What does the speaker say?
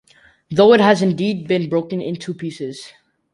Though it has indeed been broken in two pieces.